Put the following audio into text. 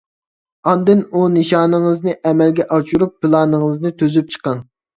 ئاندىن ئۇ نىشانىڭىزنى ئەمەلگە ئاشۇرۇش پىلانىڭىزنى تۈزۈپ چىقىڭ.